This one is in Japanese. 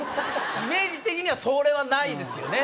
イメージ的にはそれはないですよね。